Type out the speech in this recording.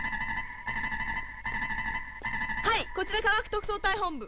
はいこちら科学特捜隊本部。